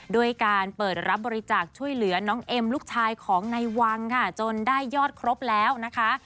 ด้วยการเปิดรับบริจาคช่วยเหลือน้องเอ็มลูกชายของนายวังค่ะจนได้ยอดครบแล้วนะคะ